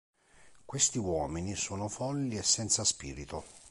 Questi uomini sono folli e senza spirito.".